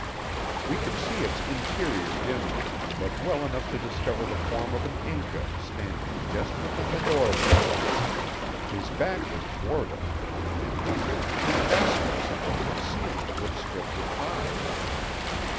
We could see its interior dimly, but well enough to discover the form of an Inca standing just within the doorway. His back was toward us, and he appeared to be fastening something to the ceiling with strips of hide.